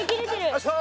よいしょ！